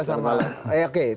terima kasih kang acep